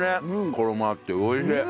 衣あっておいしい！